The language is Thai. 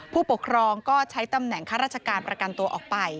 ผู้ปกครองก็ใช้ตำแหน่งข้าราชการประกันตัวออกไป